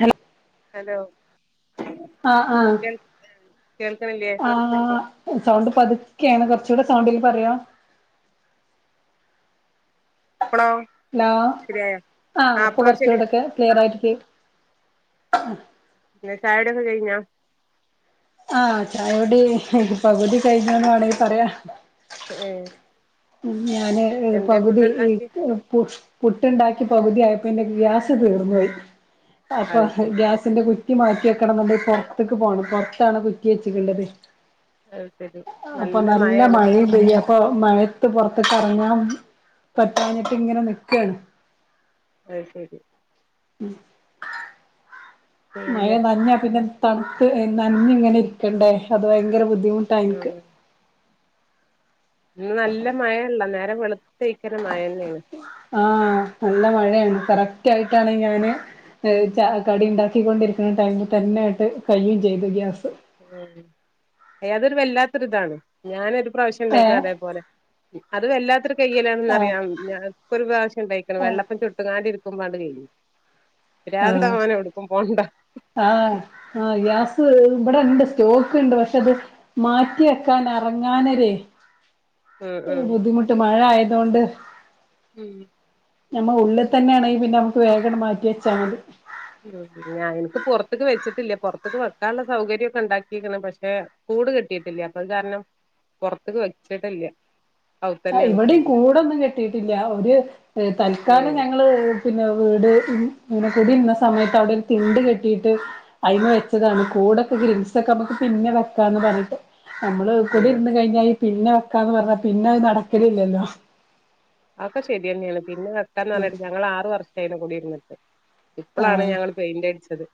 Hello hello ആഹ് ആഹ് കേൾക്കണില്ലേ ആഹ് സൗണ്ട് പതുക്കെയാണ് കുറച്ചുകൂടെ സൗണ്ടിൽ പറയുമോ ഇപ്പോളോ ഹലോ ആഹ് ഇപ്പൊ കൊറച്ചു ശരി കൂടെക്കെ ഒക്കെ ക്ലിയർ ക്കെ പിന്ന ചായ കുടിയൊക്കെ കഴിഞ്ഞാ ആഹ് ചായ കുടി പകുതി കഴിഞ്ഞുന്ന് വേണെങ്കി പറയാ ഏഹ് ഉം ഞാനെ പകുതി ഈ ഉണ്ടാക്കി പു പുട്ടുണ്ടാക്കി പകുതിയായപ്പോ എന്റെ ഗ്യാസ് തീർന്നു പോയി അപ്പൊ അത് ശരി ഗ്യാസിന്റെ കുറ്റി കുറ്റി മാറ്റി വെക്കണം എന്നുണ്ടെങ്കി പുറത്തേക്ക് പോകണം പുറത്താണ് കുറ്റി വെച്ചേക്കണ്ടത് അത് ശരി അപ്പൊ നല്ല മഴയാണ് മഴയും അപ്പൊ മഴയത്ത് പുറത്തേക്ക് ഇറങ്ങാൻ പറ്റാഞ്ഞിട്ട് ഇങ്ങനെ നിക്കയാണ് അത് ശരി ഉം മഴ പിന്നെ നനഞ്ഞാ പിന്നെ തണുത്ത് നനഞ്ഞു ഇങ്ങനെ ഇരിക്കണ്ടേ അത് ഭയങ്കര ബുദ്ധിമുട്ടാണ് എനിക്ക് ഉം ഇന്ന് നല്ല മഴയാണ് നേരം വെളുത്തേക്കുന്ന മഴന്നെയാണ് ആഹ് നല്ല മഴയാണ് കറക്റ്റ് ആയിട്ടാണ് ഞാന് [unintelligible] കടി ഉണ്ടാക്കിക്കൊണ്ടിരിക്കുന്ന ടൈമിൽ തന്നൊയായിട്ട് കഴിയുകയും ചെയ്തു ഗ്യാസ് ഉം അതൊരു വല്ലാത്ത ഇതാണ് ഞാനൊരു പ്രാവശ്യം ഏഹ് ഉണ്ടായിട്ടുണ്ട് [unintelligible] അത് വല്ലാത്തൊരു കഴിയലാണെന്ന് ആഹ് അറിയാം ഞാനാക്ക് ഒരു പ്രാവശ്യം ഉണ്ടായിരിക്കണ് ആഹ് വെള്ളപ്പം ചുട്ടുകാണ്ട് ഇരിക്കുമ്പോൾ കഴിഞ്ഞു പ്രാന്ത് ആഹ് എങ്ങാണം എടുക്കും പോണ്ട ആഹ് ആ ഗ്യാസ് ഇവിടെയുണ്ട് സ്റ്റോക്ക് ഉണ്ട് പക്ഷെ അത് മാറ്റി വെക്കാൻ വെക്കാനെരെ ഉം ഉം ബുദ്ധിമുട്ട് മഴ ആയതോണ്ട് ഉം നമ്മളെ ഉള്ളിൽ തന്നെയാണെങ്കി പിന്നെ നമുക്ക് വേഗം മാറ്റി വെച്ചാൽ മതി ഉം ഞാൻ എനിക്ക് പുറത്തേക്ക് വെച്ചിട്ടില്ല പുറത്തേക്ക് വെക്കാനുള്ള സൗകര്യം ഒക്കെ ഉണ്ടാക്കിരിക്കുന്നു പക്ഷെ കൂട് കിട്ടിയിട്ടില്ല അപ്പൊ അത് കാരണം പുറത്തക്ക് വെച്ചിട്ടില്ല അതു തന്നെയാണ് ഇവിടെയും കൊണ്ട് കൂടൊന്നും കെട്ടിയിട്ടില്ല ഒരു ഏ തൽക്കാലം ഞങ്ങള് പിന്നെ വീട് ഇങ്ങനെ കൂടി ഇരുന്ന സമയത്ത് അവിടെ ഒരു തിണ്ട കെട്ടിയിട്ട് അയ്മേ വെച്ചതാണ് കൂടൊക്കെ ഗ്രിൽസ് ഒക്കെ നമ്മുക്ക് പിന്നെ വെക്കാന്ന് പറഞ്ഞിട്ട് നമ്മള് ഏ കുടി ഇരുന്ന് കഴിഞ്ഞാ ഈ പിന്നെ വെക്കാന്ന് പറഞ്ഞാ പിന്നെ അത് നടക്കലില്ലല്ലോ അതെക്കെ ശരി തന്നെയാണ് പിന്നെ വെക്കാന്ന് പറഞ്ഞിട്ട് ഞങ്ങൾ ആറ് വർഷം ആയി കുടി ഇരുന്നിട്ട് ഇപ്പോളാണ് ആഹ് ഞങ്ങള് പെയിന്റ് അടിച്ചത്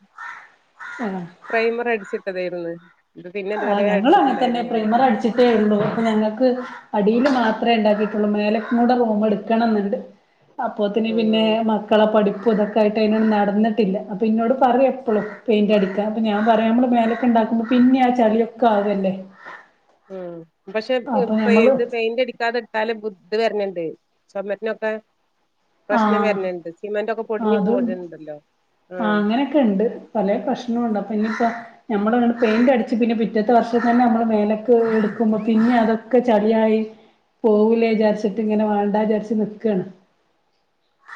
ആഹ് പ്രെമർ അടിച്ചിട്ടതായിരുന്നു ഇത് പിന്നെ ആഹ് ഇതുവരെ ഞങ്ങളും അങ്ങനെ തന്നെ അടിച്ചിട്ടുണ്ടായിരുന്നില്ല പ്രെയ്മർ അടിച്ചിട്ട് ഉള്ളൂ അപ്പൊ ഞങ്ങക്ക് അടീല് മാത്രെ ഉണ്ടാക്കിട്ടുള്ളൂ മേലക്കും കൂടെ റൂമ് എടുക്കണം ന്നുണ്ട് അപ്പൊത്തിന് പിന്നെ ഉം മക്കളെ പഠിപ്പും ഇതൊക്കെ ക്കായിട്ട് അതിനോട് നടന്നിട്ടില്ല അപ്പോ ന്നോട് പറിം എപ്പളും പെയിന്റ് അടിക്ക അപ്പ ഞാൻ പറിം ഞമ്മള് മേലക്ക്‌ ണ്ടാക്കുമ്പോ പിന്നെ അടി ചളിയൊക്കെ ആവ ല്ലേ അഹ് പക്ഷെ ത് ഞമ്മള് ത് പെയിന്റ് അടിക്കാതെ ലെ കുത്ത് വെര്ണ്ട് ചൊമര്നോക്കെ ആ പ്രശ്നം വെര്ന്ണ്ട് സിമെന്റൊക്കെ പൊടിഞ് പോര്ണ്ടല്ലോ ആ അങ്ങനെക്കെ ണ്ട് പലേ പ്രശ്നുണ്ട് അപ്പൊ ഇനിയിപ്പ നമ്മളണ്ട് പെയിന്റ് അടച്ച് പിന്നെ പിറ്റത്തെ വർഷം തന്നെ നമ്മള് മേലക്ക്‌ എടുക്കുമ്പോ പിന്നെ അതൊക്കെ ചളിയായി പോവൂലെ വിചാരിചിട്ട് ഇങ്ങനെ വേണ്ട വിചാരിച്ച് നിക്കാണ്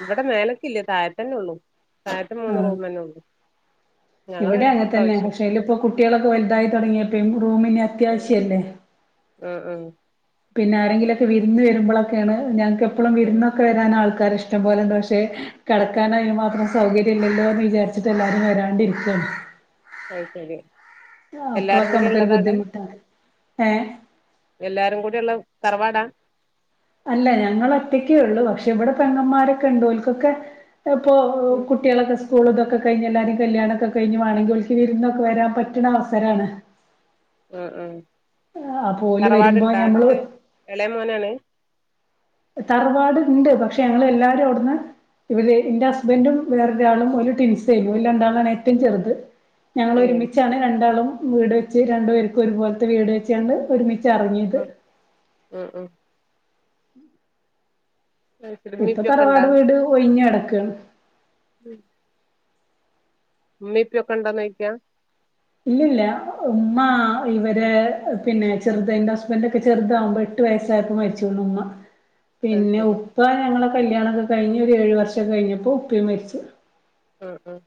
ഇവിടെ മേലക്കില്ല താഴത്തന്നെ ഉള്ളൂ താഴത്തെ മൂന്ന് ആഹ് റൂം തന്നെ ഉള്ളൂ ഞങ്ങള് ഇവിടെ അടിച്ചു അങ്ങനെ തന്നെ ഇപ്രാവശ്യം പക്ഷെ ഇയിലിപ്പോ ഉം കുട്ടികളൊക്കെ വലുതായി തുടങ്ങിയപ്പേഴും റൂമിനി അത്യാവശ്യല്ലേ ഉം ഉം പിന്നെ ആരെങ്കിലൊക്കെ വിരുന്ന് വരുമ്പൊളൊക്കെയാണ് ഞങ്ങക്ക് എപ്പളും വിരുന്ന നമ്മക്ക് വരാൻ ആൾക്കാര് ഇഷ്ടം പോലുണ്ട് പക്ഷെ കടക്കൻ അതിന് മാത്രം സൗകര്യഇല്ലല്ലോ എന്ന് വിചാരിച്ചു [unintelligible] എല്ലാരും വരാണ്ടിരിക്കാണ് അഹ് ശെരി ആഹ് അപ്പൊളൊക്കെ നമ്മക്കൊരു ബുദ്ധിമുട്ടാണ് ഏഹ് എല്ലാരും കൂടി ഉള്ള തറവാടാ അല്ല ഞങ്ങള് ഒറ്റക്കേഉള്ളു പക്ഷെ ഇവിടെ പെങ്ങന്മാരൊക്കെ ഉണ്ട് ഓൾക്കൊക്കെ അപ്പൊ ഉം കുട്ടികളൊക്കെ സ്‌കൂൾ സ്കൂളിതൊക്കെ കഴിഞ്ഞ് എല്ലാരും കല്യാണം ഒക്കെ കഴിഞ്ഞു വേണോങ്കി ഓൾക്ക് വിരുന്ന് ഒക്കെ വരാൻ പറ്റണ അവസരം ആണ് ആഹ് ആഹ് അപ്പൊ ഓല് വരുമ്പോ തറവാടിണ്ടാ ഞമ്മള് അടുത്ത് എളയ മോനാണ് തറവാട്ണ്ട് പക്ഷെ ഞങ്ങളെല്ലാരും അവിടുന്ന് ഇവര് എന്റെ ഹസ്ബൻഡും വേറൊരു ആളും ഒരു ടിൻസെയനു ഈ രണ്ടാളാണ് ഏറ്റവും ചെറുത് ഞങ്ങള് ഏഹ് ഒരുമിച്ചാണ് രണ്ടാളും വീട് വെച്ച് രണ്ടു പേർക്കും ഒരുപോലത്തെ വീട് വെച്ചണ്ട് ഒരുമിച്ച് ചറിങ്ങിയത് ഉം ഉം അത് ശരി ഉമ്മേം ഇപ്പൊ ഉപ്പേക്കെ തറവാട് വീട് ഒഴിഞ്ഞ് കടക്കാണ് ഉം ബി പി ഒക്കെ ഉണ്ടാന്ന് നോക്കിയ ഇല്ല ഇല്ല ഉമ്മ ഇവരെ പിന്നെ ചെറുതെഎന്റെ ഹുസ്ബൻഡ് ഒക്കെ ചെറുതാവുമ്പോ എട്ട് വയസ്സായപ്പോ മരിച്ചുന്ന് ഉമ്മ [inaudible] പിന്നെ ശരി ഉപ്പ ഞങ്ങളെ കല്യാണൊക്കെ കഴിഞ്ഞ് ഒരു ഏഴു വർഷം ഒക്കെ കഴിഞ്ഞപ്പോ ഉപ്പയും മരിച്ചു ഉം ഉം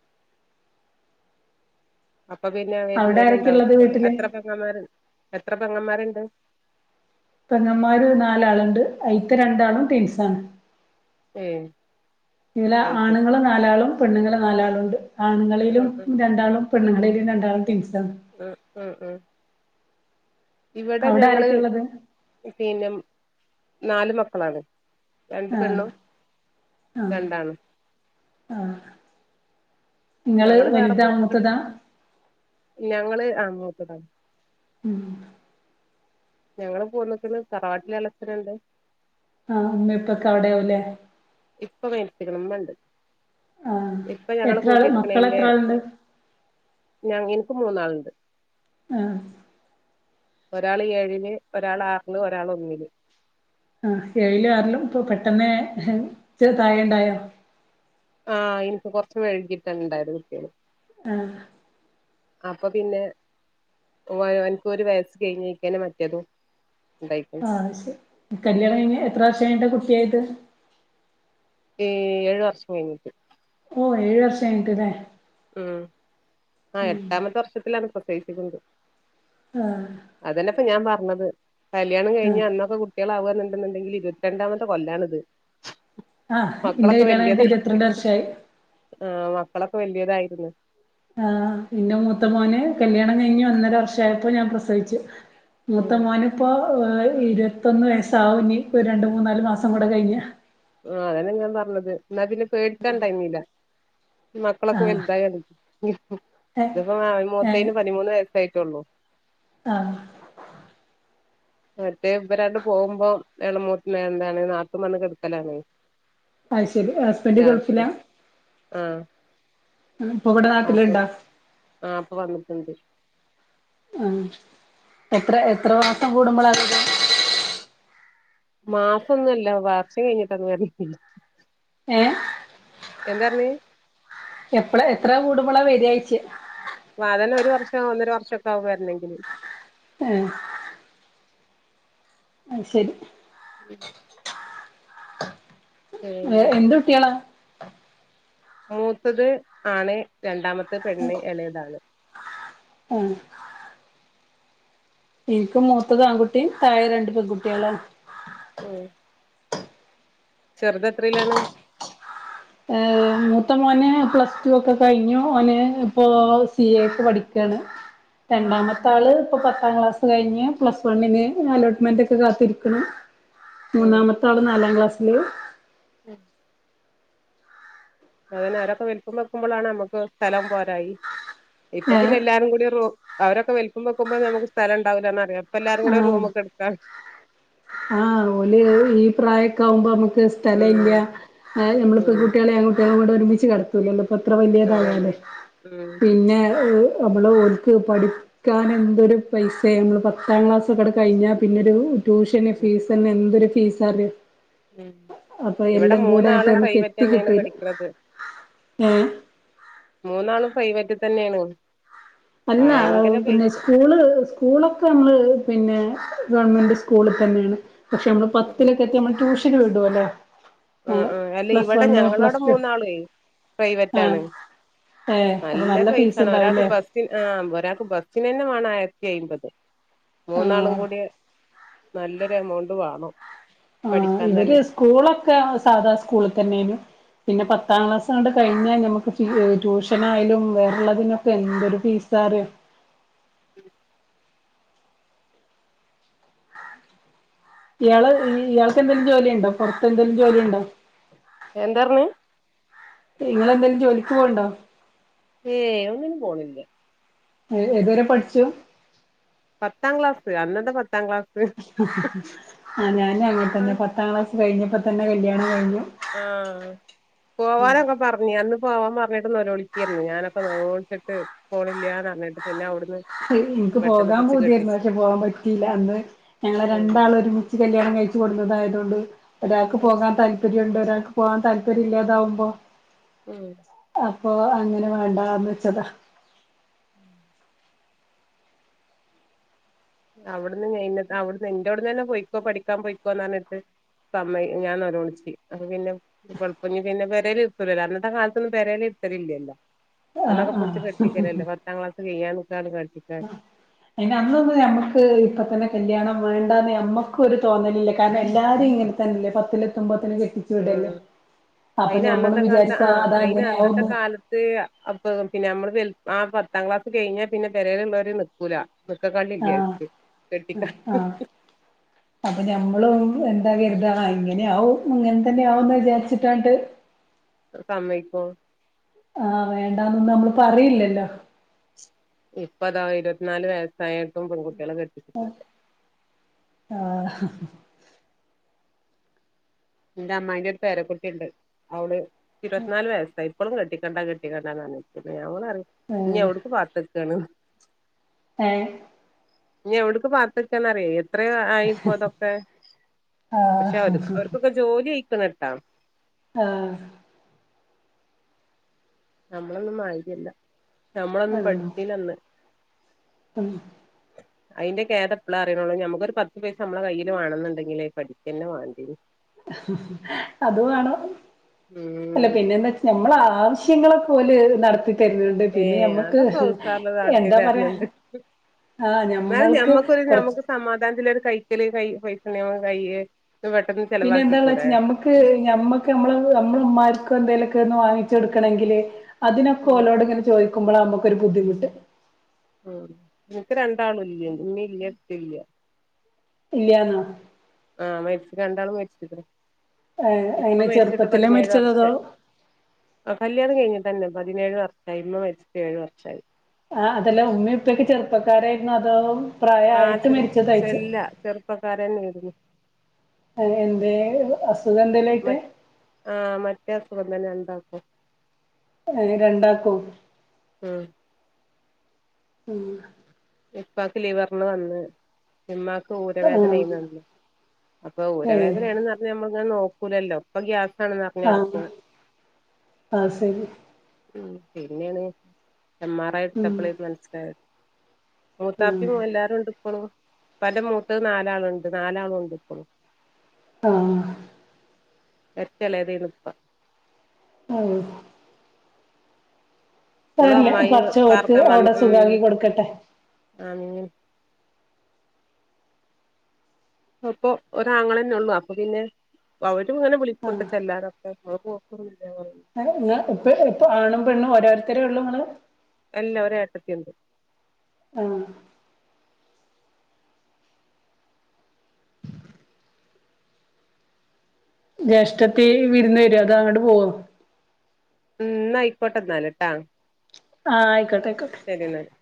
അപ്പൊ പിന്നെ അവിടെ വരുന്നേര്ണ്ടാവും ആരൊക്കെള്ളത് വീട്ടില്? എത്ര പെങ്ങന്മാര് എത്ര പെങ്ങന്മാരുണ്ട് പെങ്ങമാര് നാലാള്ണ്ട് ആയിത്ത രണ്ടാളും ടിൻസാണ് ഏഹ് ഇയില് അത് ശരി ആണുങ്ങള് നാലാളും പെണ്ണുങ്ങള് നാലാളും ഉണ്ട് ആണുങ്ങളിലും ഉം ഉം രണ്ടാളും പെണ്ണുങ്ങളിലും രണ്ടാളും ടിൻസാണ് ഉം ഉം ഉം ഇവിടെ അവിടെ ഞങ്ങള് ആരൊക്കെള്ളത്? പിന്നെ നാല് മക്കളാണ് രണ്ട് ആഹ് പെണ്ണും ആഹ് രണ്ടാണും ആഹ് നിങ്ങള് ഞങ്ങള് വേറെ വല്താ പോന്ന്ക്ക്ണ് മൂത്തതാ ഞങ്ങള് ആ മൂത്തതാ ഉം ഞങ്ങള് പോന്നക്കണ് തറവാട്ടിലെളച്ചനണ്ട് ആഹ് ഇമ്മ ഇപ്പൊക്കെ അവിടെയാവല്ലേ ഇപ്പ [unintelligible] ഇമ്മ ഇണ്ട് ആഹ് ഇപ്പ ഞങ്ങള് എത്ര ആള് കൂടിരികണീന്റെ മക്കളെത്ര ആളുണ്ട് ഞാൻ ഇനിക് മൂന്നാള്ണ്ട് ആഹ ഒരാള് ഏഴിന് ഒരാള് ആറിന് ഒരാള് ഒന്നില് ആഹ് ഏഴിലും ആറിലും ഇപ്പൊ പെട്ടെന്ന് ഹ് ചെറുതായി ഉണ്ടായോ ആഹ് എനിക്ക് കുറച്ച് വൈകിട്ടാ ഉണ്ടായത് കുട്ടികള് ആഹ് അപ്പൊ പിന്നെ ഓ ഇവനിക് ഒരു വയസ്സ് കഴിഞ്ഞക്കാണ് മറ്റേതും ഉണ്ടായി അത് ശെരി കല്യാണം കഴിഞ്ഞ് എത്ര വർഷം കഴിഞ്ഞിട്ടാ കുട്ടിയായത് ഏഹ് ഏഴു വർഷം കഴിഞ്ഞിട്ട് ഓഹ് ഈ വർഷ [unintelligible] ല്ലേ? ഉം ആ എട്ടാമത്തെ വർഷത്തിലാണ് പ്രസവിച്ചിക്കണ്ത്. ആ. അതന്നെപ്പൊ ഞാൻ പറഞ്ഞത്. കല്യാണം കഴിഞ്ഞ് ആഹ് അന്നൊക്കെ കു ട്ടികള ആകുക എന്നുണ്ടെന്നുണ്ടെങ്കിൽ ഇരുപത്തി രണ്ടാമത്തെ കൊല്ലാണിത്. ആഹ് ഇന്റെ മക്കളൊക്കെ കല്യാണം കഴിഞ്ഞിട്ട് വല്യതായി. ഇരുപത്തിരണ്ട് വർഷായി ആ മക്കളൊക്കെ വല്യതായിരുന്നു. ആഹ് എന്റെ മൂത്ത മോന് കല്യാണം കഴിഞ് ഒന്നര വർഷായപ്പോ ഞാൻ പ്രസവിച്ചു. മൂത്ത ഉം മോന് ഇപ്പോ ഇരുപത്തൊന്ന് വയസാവും, ഇനി രണ്ട് മൂന്നാല് മാസം കൂടെ കഴിഞ്ഞ. ആ അതന്നെ ഞാ പറഞ്ഞത്. എന്നാ പിന്നെ പേടിക്കാൻ ടൈമില്ല. മക്കളൊക്കെ ആഹ് വലുതായിന്. ഏഹ് ഇതപ്പോ ഏഹ് മൂത്തന് പതിമൂന്ന് വയസ്സ ആയിട്ടുള്ളു. ആഹ്. മറ്റേ ഇവരാണ്ട് പോകുമ്പോ, ഇളമൂത്ത് വേന്താണ് നാത്തുൻ വന്നു കെടുക്കലാണ്. അയ് ശരി. ഹസ്ബൻഡ് രാത്രി ഗൾഫിലാ. ആ. ഇപ്പൊവിട നാട്ടില ഇണ്ടാ? ആഹ് ഇപ്പൊ വന്നിട്ടുണ്ട്. ആ എത്ര, എത്ര മാസം കൂടുമ്പോളാ ലീവ്? മാസംന്നുംല്ല. വർഷം കഴിഞ്ഞിട്ട അത് [unintelligible] ഏ എന്താർഞ്ഞെ? എപ്പഴ എത്ര കൂടുമ്പോള വര്യായ്ച്ച്? [unintelligible] ഒരു വർഷം ഒന്നര വർഷ ഒക്കെ ആകും വരുന്നങ്കില്. ഉം. അത് ശരി. ഉം. ഏ എന്ത് കുട്ടികളാ? മൂത്തത് ആണ്, രണ്ടാമത്തെ പെണ്ണ്, ഇളയതാണ്. ഉം. എനിക്ക് മൂത്തത് ആൺകുട്ടി. താഴെ രണ്ട് പെൺകുട്ടികളാണ്. ഉം. ചെറുത് എത്രയിലാണ്? ഏഹ് മൂത്ത മോന് പ്ലസ് ടു ഒക്കെ കഴിഞ്ഞു. അവന് ഇപ്പോൾ സി എ ക്ക് പഠിക്കാണ്. [inaudible] രണ്ടാമത്തെ ആള് ഇപ്പൊ പത്താം ക്ലാസ് കഴിഞ്, പ്ലസ് വണ്ണിന് അലോട്ട്മെന്റ് ക്ക കാത്തിരിക്കണു. മൂന്നാമ തൊള്‌ നാലാം ക്ലാസ്സില്. [unintelligible] അങ്ങനെ ആരൊക്കെ വലുപ്പം വെക്കുമ്പോഴാണ് നമുക്ക് സ്ഥലം പോരായി. ഇപ്പൊ ഏഹ് പിന്നെ എല്ലാരും കൂടി റൂ അവരൊക്ക വലിപ്പം വെക്കുമ്പോ നമുക്ക് സ്ഥലം ഇണ്ടാവില്ലാന്നറിയാം. പ്പൊ എല്ലാരും കൂട റൂമക്കെ എടുത്താണ്. ആ ഒല് ഈ പ്രായക്കെ ആകുമ്പോ നമുക്ക് സ്ഥലം ഇല്ല. ഉം നമ്മളി ഉം പെൺകുട്ടികളെ [unintelligible] [unintelligible] കൂടെ ഒരുമിച്ച് കെടത്തൂലല്ലോ. ഇപ്പ ഇത്ര വലിയതാകാലേ. അതന്നെ ഉം പിന്നെ ഏഹ് നമ്മള് ഓൽക്ക് പഠി ക്കാൻ എന്തൊരു പൈസേ. നമ്മള് പത്താം ക്ലാസ്ക്കുടെ കയിഞ്ഞാൽ പിന്നൊരു, ട്യൂഷന് ഉം ഫീസന്നെ എന്തൊരു ഫീസാലേ. ഉം അപ്പൊ ഇവിടെ എല്ലം കൂടെ ആയിട്ട് മൂന്നാളും എനിക്ക് പ്രൈവറ്റ് എത്ത് തന്നെയാണ് കിട്ടില്ല. പഠിക്കണത് ഏ മൂന്നാളും പ്രൈവറ്റി തന്നേണ്. അല്ല പിന്നെ സ്കൂള് സ്കൂളൊക്കെ നമ്മള് പിന്നെ ഗവൺമെൻറ് സ്കൂള് തന്നേണ്. പക്ഷെ നമ്മള് ഉം പത്തിലൊക്കെ എത്തിയ നമ്മള് ട്യൂഷന് വിടോലോ. ഉം ഉം അല്ല ഇവടെ ഞങ്ങളടെ പ്ലസ് ടു മൂന്നാളേ പ്രൈവറ്റ് ആണ്. ആഹ് ഏഹ് അപ്പൊ നല്ല ഫീസ് പൈസാണ് ഒരാക്ക് ഉണ്ടാവൂലേ ബസ് ന് ആഹ് ഒരാക്ക് ബസിനന്നെ വാണം ആയിരത്തി അയ്മ്പത് മൂന്നാളും ആഹ് കൂടി നല്ലൊരു എമൗണ്ട് വാണം. ആഹ് ഇവര് സ്കൂളൊക്കെ സാധാ സ്കൂള് തന്നേന്നു. പിന്നെ പത്താം ക്ലാസാണ്ട് കയിഞ്ഞാ ഞമ്മക്ക് ഫീ ട്യൂഷന് ആയാലും വേറള്ളതിനൊക്കെ എന്തൊരു ഫീസാറ്യോ. ഇയാള് ഇയാൾക്ക് എന്തെങ്കിലും ജോലി ഇണ്ടോ പൊർത്ത് എന്തേലും ജോലി ഇണ്ടോ? എന്തർഞ്ഞ് ഇങ്ങളെന്തേലും ജോലിക്ക് പോണ്ടോ? ഏയ് ഒന്നിനും പോണില്ല. എ ഏത് വരെ പട്ച്ചു? പത്താം ക്ലാസ് അന്നത്തെ പത്താം ക്ലാസ് ആഹ് ഞാനും അങ്ങൻ തന്നെ ആഹ് പത്താം ക്ലാസ് കയിഞ്ഞപ്പോ തന്നെ കല്യാണം കയിഞ്ഞു. ആഹ് പോവാനൊക്കെ പർഞ്ഞെ അന്ന് പോവാൻ പർഞ്ഞിട്ട് നെലോളിക്കേര്ന്ന് ഞാനൊക്കെ നെലോൾച്ച്ട്ട് പോണില്ലാന്നർഞ്ഞിട്ട് പിന്നെ അവ്ടുന്ന് ഇൻക്ക് പോകാൻ പൂതിയായിര്ന്നു പഷെ പോവാൻ പറ്റിയില്ല. അന്ന് ഞങ്ങളെ ഉം രണ്ടാള് ഒരുമി ച്ച് കല്യാണം കയിച്ചു കൊട്ന്നതായതോണ്ട് ഒരാക്ക് ഉം പോകാൻ താല്പര്യണ്ട് ഒരാക്ക് പോവാൻ താല്പര്യല്ലാതാവുമ്പോ ഉം അപ്പൊ അങ്ങനെ വേണ്ടാന്ന് വെച്ചതാ അവ്ടന്ന് അവ്ടുന്ന് ന്റോട്ന്നന്നെ പോയിക്കോ പഠിക്കാൻ പോയിക്കോന്നർഞ്ഞിട്ട് സമ്മയ് ഞാൻ നൊലോളിച്ച് അപ്പൊ പിന്നെ [unintelligible] പിന്നെ പെരേലിരിത്തൂലല്ലോ അന്നത്തെ കാൽത്തൊന്നും പെരേല് ഇരുത്തല്ല്ലല്ലോ ആഹ് അന്നൊക്കെ പുട്ച്ച് ആഹ് കെട്ടിക്കലല്ലേ പത്താം ക്ലാസ് കയ്യാൻ നിക്കാണ് ആഹ് അയിന് അന്നൊന്നും ഞമ്മക്ക് ഇപ്പം തന്നെ കല്യാണം വേണ്ടാന്ന് ഞമ്മക്കൊരു തോന്നലില്ല. കാരണം എല്ലാരും ഇങ്ങനെ തന്നല്ലേ പത്തില് എത്തൊമ്പത്തിനും കെട്ടി ച്ച് വിടല്ലേ ആഹ് അപ്പൊ അയിന് ഞമ്മളും അന്നത്തെ വിചാരിക്കും അ അതാ അങ്ങനെയാവുന്ന് അതെ അപ്പ പിന്നെ അമ്മള് വെൽ ആ പത്താം ക്ലാസ് കയിഞ്ഞ പിന്നെ പെരേലുള്ളവര് നിക്കൂല. നിക്കകള്ളിയില്ല ആഹ് ഓര്ക്ക് കെട്ടിക്കാൻ ആഹ് അപ്പൊ ഞമ്മള് എന്ത കര്താ ആ ഇങ്ങനെ ആവും ഇങ്ങൻതന്നെ ആവുംന്ന് വിചാരിച്ചിട്ടാണ്ട് സമ്മയ്ക്കും. ആഹ് വേണ്ടാന്നൊന്നും അമ്മള് പറില്ലല്ലോ. ഇപ്പതാ ഇരത്ത് നാല് വയസ്സായട്ടും പെൺകുട്ട്യേള് കെട്ടി അഹ് ആഹ് ന്റെ അമ്മായിന്റൊരു പേരക്കുട്ടിണ്ട് അവള് ഇരത്ത്നാല് വയസായി. ഇപ്പളും കെട്ടിക്കണ്ട കെട്ടിക്കണ്ടാന്നർഞ്ഞിര്ക്ക്ണ്ട്. [unintelligible] ഞ്ഞ് എവ്ടുക്ക് പാത്തക്കാണ്ന്ന് ഏഹ് ഇഞ്ഞ് എവിട്ക്ക് പാത്തക്കേന്നറ്യേ എത്രേ ആയിപ്പോ ഇതൊക്കെ. ആ പഷെ അവർ അവർക്കൊക്കെ ജോലി ആയ്ക്ക്ണ് ട്ടാ. ആഹ് ഞമ്മളൊന്നും മായ്ര്യല്ലാ ഞമ്മളൊന്നും പഠിച്ചീലന്ന്. ഉം. [inaudible] അയ്ന്റെ കേദം ഇപ്പളാറീണുള്ളൂ. ഞമ്മക്കൊരു പത്ത് പൈസ ഞമ്മളെ കയ്യില് വാണന്ന്ണ്ടെങ്കില് പഠിക്കന്നെ വാണ്ടീനി അതും വാണം അല്ല ഉം പിന്നെന്തേച്ച ഞമ്മളാവശ്യങ്ങളൊക്കോല് നട് ത്തി തര്ന്ന്ണ്ട് പിന്നെ ഏഹ് ഞമ്മക്ക് അതൊക്കെ ഉസാറില് നടത്തി എന്താ പറയാ തര്ന്ണ്ട് ആഹ് ഞമ്മൾക്ക് കൊറച്ച് സമാധാനത്തില് ഒരു കൈക്കല് കൈൽ പൈസണ്ടേന്നു മ്മളെ കയ്ല് ത് പെട്ടന്ന് പിന്നെന്താ വെച്ചാ ഞമ്മക്ക് ക്ക് ഞമ്മക്ക് ഞമ്മളെ ഞമ്മളെ ഉമ്മാർക്കെന്തേലെക്കൊന്ന് വാങ്ങിച്ചൊടുക്കണങ്കില് ഉം അതിനൊക്കോലോടിങ്ങന ചോദിക്കുമ്പോളാ ഞമ്മക്കൊരു ബുദ്ധിമുട്ട്.. ഉം, നിനക്ക് രണ്ടാളൂല്ലേ ഉമ്മീല്ലേ ഉപ്പീല്ലേ? ഇല്ല്യാന്നോ? ആഹ് മരിച്ച് രണ്ടളും മരിച്ച്ക്ക്‌ണ്. ആഹ് എങ്ങനെ ചെറുപ്പത്തിലാ മരിച്ചതതോ? വർഷായി ആഹ് കല്യാണം കഴിഞ്ഞിട്ടന്നെ പതിനേഴ് വർഷായി ഇമ്മ മരിച്ച്ട്ട് ഏഴ് വർഷായി. ആ അതല്ല ഉമ്മീഉപ്പീയൊക്കെ ചെറുപ്പക്കാരായിരുന്നോ അതോ പ്രായായിട്ട് മരിച്ചതായ്ച്ചാ. ചെറുപ്പക്കാരന്നെയിരുന്നു. ആഹ് എന്തേ അസുഖന്തേലും ആയിട്ടെ? മ ആഹ് മറ്റേ അസുഖം തന്നെ രണ്ടാക്കും. ഏഹ് രണ്ടാക്കും? ഉം. ഉം. ഇപ്പാക്ക്‌ ലിവറിന് വന്ന് ഉമ്മാക്ക് ആ ഊരവേദനേയ്ന്നു അന്ന്. അപ്പൊ ഏ ഊരവേദനയാണന്ന് ത് ഞമ്മൾങ്ങനെ നോക്കൂലല്ലോ? പ്പൊ ആ ഗ്യാസാണെന്നറഞ്ഞടക്കും. ആ ശരി ഉം പിന്നേണ് എം ആർ ഐ ഉം ഇടുത്തപ്പളേത് മനസ്സിലായത്. ആ മൂത്താപ്പീ എല്ലാരുംണ്ട് ഇപ്പളും. ഇപ്പാന്റെ മൂത്തത് നാലാള്ണ്ട് നാലാളൂണ്ട് ഇപ്പളും. ആഹ്. ഏറ്റോളേതേന്നു. ഉം. ഇപ്പളും അതല്ല അമ്മായി പടച്ചോൻ ഓർക്ക് പാർക്കാൻ വന്ന് അവിടെ ഉം സുഖാക്കി കൊടുക്കട്ടെ ആണ്. അപ്പൊ ഒരാങ്ങളെന്നൊള്ളൂ. അപ്പൊ പിന്നെ അവര്ങ്ങനെ വിളിക്കൂട്ടോ ചെല്ലാനൊക്കെ അപ്പോ പോക്കൊന്നില്ലങ്ങള്? ആഹ് ഇങ്ങളെ ഉപ്പേം ഉപ്പ ആണുംപെണ്ണും ഓരോരുത്തരൊള്ളു ഇങ്ങള്? ഇല്ലാ ഒരേട്ടത്തിട്ട്ണ്ട്. ആഹ് ജ്യേഷ്ഠത്തി വിരുന്ന് വരോ അതോ അങ്ങ്ട് പോവോ? ഉം ന്നയിക്കോട്ടെ ഇന്നാല്ട്ടാ. ആഹ് അയ്ക്കോട്ടെ അയ്ക്കോട്ടേ. ശരി എന്നാല്